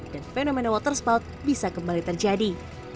dan fenomena water spout bisa kembali terjadi